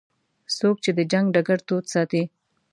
څوک چې د جنګ ډګر تود ساتي.